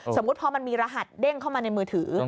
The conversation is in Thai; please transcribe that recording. สมมุติพอมันมีรหัสเด้งเข้ามาในมือถือ